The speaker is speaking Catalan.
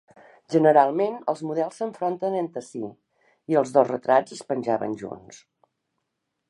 Generalment els models s'enfronten entre si, i els dos retrats es penjaven junts.